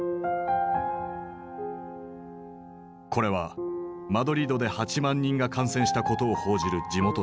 これはマドリードで８万人が感染したことを報じる地元紙。